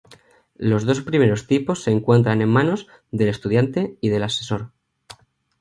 Los dos primeros tipos se encuentran en manos del estudiante y del asesor.